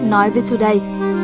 nói với today